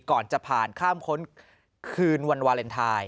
ก่อนจะผ่านข้ามค้นคืนวันวาเลนไทย